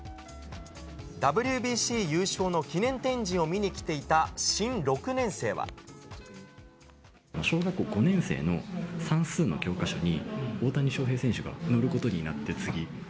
ＷＢＣ優勝の記念展示を見に小学校５年生の算数の教科書に、大谷翔平選手が載ることになって、つぎ。